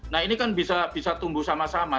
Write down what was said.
nah ini kan bisa tumbuh sama sama